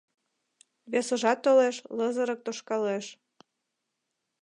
Весыжат толеш — лызырык тошкалеш.